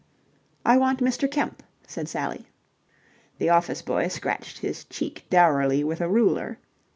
"I want Mr. Kemp," said Sally. The office boy scratched his cheek dourly with a ruler.